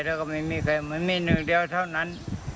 แล้วก็ไม่มีใครเหมือนมีหนึ่งเดียวเท่านั้น